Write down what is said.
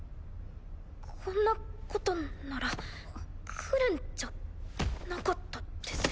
こんなことなら来るんじゃなかったです。